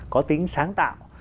có tính sáng tạo